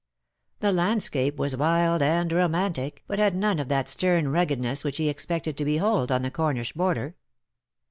The land scape was wild and romantic, but had none of that stern ruggedness which he expected to behold on the Cornish Border.